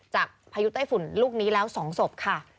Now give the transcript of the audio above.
พายุไต้ฝุ่นลูกนี้แล้ว๒ศพค่ะ